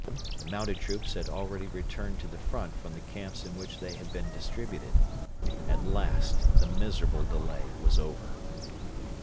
The mounted troops had already returned to the front from the camps in which they had been distributed. At last the miserable delay was over.